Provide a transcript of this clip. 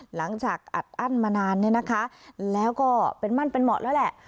หลังจากอัดอั้นมานานเนี่ยนะคะแล้วก็เป็นมั่นเป็นเหมาะแล้วแหละ